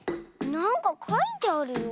なんかかいてあるよ。